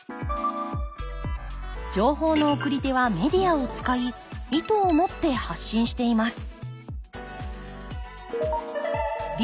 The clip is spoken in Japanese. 情報の送り手はメディアを使い意図を持って発信しています